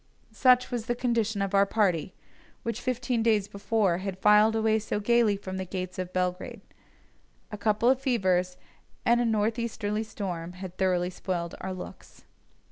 Such was the condition of our party, which fifteen days before had filed away so gaily from the gates of Belgrade. A couple of fevers and a north easterly storm had thoroughly spoiled our looks.